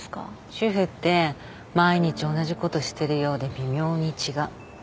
主婦って毎日同じことしてるようで微妙に違う。